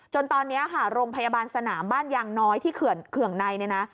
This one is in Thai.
จนตอนนี้โรงพยาบาลสนามบ้านยางน้อยที่เขื่องใน